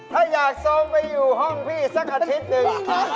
ถ้าอยากซ้อมไปอยู่ห้องพี่สักอาทิตย์หนึ่ง